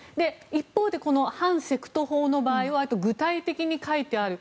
一方で反セクト法の場合は具体的に書いてある。